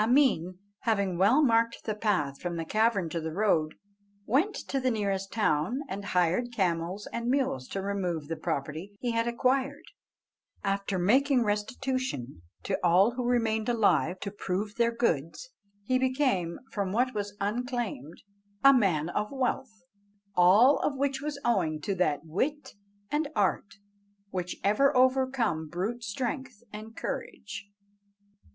Ameen having well marked the path from the cavern to the road, went to the nearest town and hired camels and mules to remove the property he had acquired. After making restitution to all who remained alive to prove their goods, he became, from what was unclaimed, a man of wealth, all of which was owing to that wit and art which ever overcome brute strength and courage.